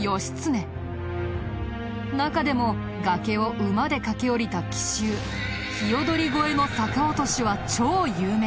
中でも崖を馬で駆け下りた奇襲ひよどり越えの逆落としは超有名！